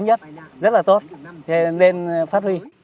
rất là tốt nên phát huy